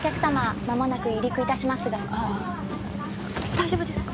大丈夫ですか？